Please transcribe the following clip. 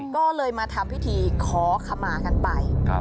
ก็เลยมาทำพิธีขอขมากันไป